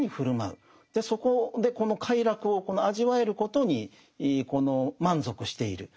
そこでこの快楽を味わえることに満足している。